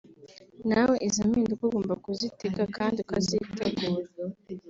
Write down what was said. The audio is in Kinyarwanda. nawe izo mpinduka ugomba kuzitega kandi ukazitegura